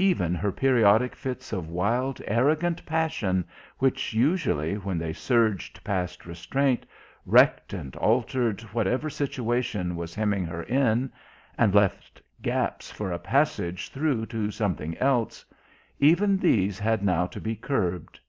Even her periodic fits of wild arrogant passion, which usually, when they surged past restraint, wrecked and altered whatever situation was hemming her in, and left gaps for a passage through to something else even these had now to be curbed.